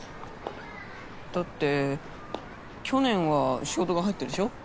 だって去年は仕事が入ったでしょ。